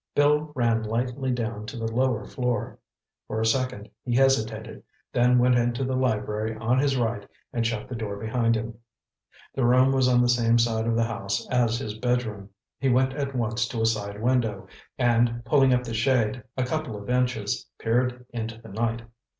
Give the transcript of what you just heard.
Bill ran lightly down to the lower floor. For a second he hesitated, then went into the library on his right and shut the door behind him. This room was on the same side of the house as his bedroom. He went at once to a side window, and pulling up the shade a couple of inches, peered into the night.